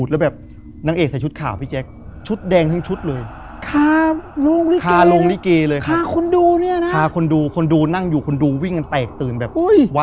อันนี้คือตามท้องเรื่อง